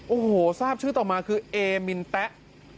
โอ้โหทราบชื่อต่อมาคือเอมินแต๊ะ